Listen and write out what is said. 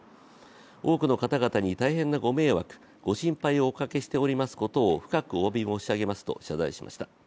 多くの方々に大変なご迷惑、ご心配をおかけしておりますことを深くおわび申し上げと謝罪しました。